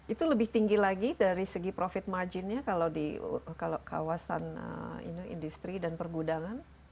itu lebih tinggi lagi dari segi profit marginnya kalau di kawasan industri dan pergudangan